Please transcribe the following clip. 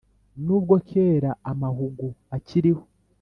n’ubwo kera amahugu akiriho